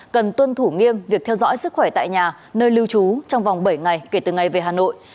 cần tuân thủ nghiêm việc theo dõi sức khỏe tại nhà nơi lưu trú trong vòng bảy ngày kể từ ngày về hà nội